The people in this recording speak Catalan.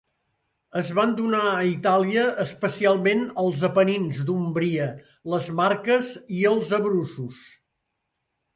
Es van donar a Itàlia, especialment als Apenins d'Úmbria, les Marques i els Abruços.